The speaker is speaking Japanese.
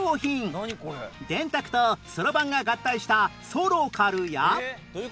電卓とそろばんが合体したソロカルや